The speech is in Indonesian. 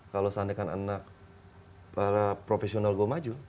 kalau seandainya anak profesional saya maju